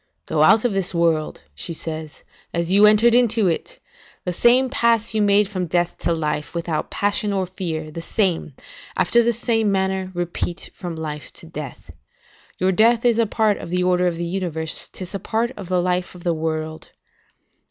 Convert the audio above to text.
"Go out of this world," says she, "as you entered into it; the same pass you made from death to life, without passion or fear, the same, after the same manner, repeat from life to death. Your death is a part of the order of the universe, 'tis a part of the life of the world.